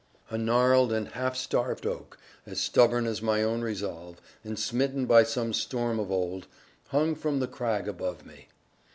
A gnarled and half starved oak, as stubborn as my own resolve, and smitten by some storm of old, hung from the crag above me.